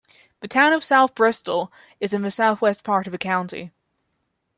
The Town of South Bristol is in the southwest part of the county.